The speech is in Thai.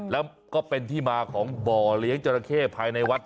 แล้วก็เป็นที่มาของบ่อเลี้ยงจราเข้ภายในวัด